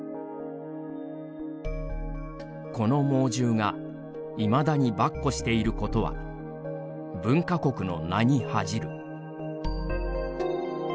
「この猛獣が、いまだにばっこしていることは文化国の名に恥じる。